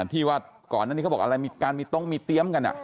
ที่ว่าก่อนอันนี้เขาบอกอะไรมีการมีตรงมีเตรียมกัน